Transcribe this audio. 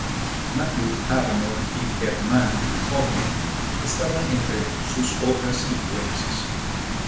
Matthew Arnold y Hermann Cohen estaban entre sus otras influencias.